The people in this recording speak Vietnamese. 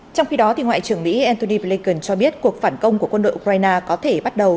trong khi đó ngoại trưởng mỹ antony blinken cho biết cuộc phản công của quân đội ukraine có thể bắt đầu